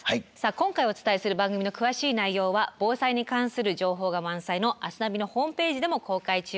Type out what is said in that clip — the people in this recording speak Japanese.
今回お伝えする番組の詳しい内容は防災に関する情報が満載の「明日ナビ」のホームページでも公開中です。